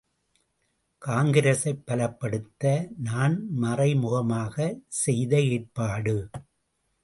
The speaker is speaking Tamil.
காங்கிரசைப் பலப்படுத்த நான் மறைமுகமாகச் செய்த ஏற்பாடு!